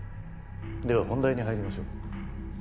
では本題に入りましょう。